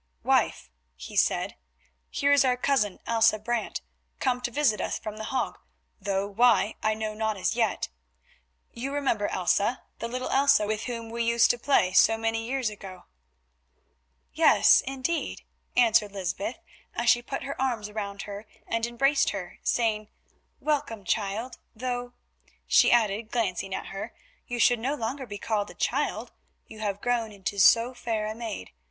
"Wife," he said, "here is our cousin, Elsa Brant, come to visit us from The Hague, though why I know not as yet. You remember Elsa, the little Elsa, with whom we used to play so many years ago." "Yes, indeed," answered Lysbeth, as she put her arms about her and embraced her, saying, "welcome, child, though," she added, glancing at her, "you should no longer be called child who have grown into so fair a maid.